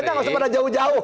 jangan pada jauh jauh